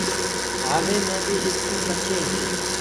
هآوي مي بيٚ لکسونٚ پڇي